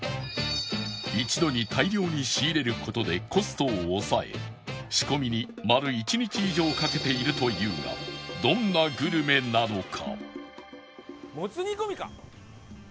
一度に大量に仕入れる事でコストを抑え仕込みに丸１日以上かけているというがどんなグルメなのか？